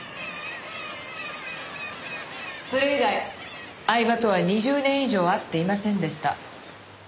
それ以来饗庭とは２０年以上会っていませんでした。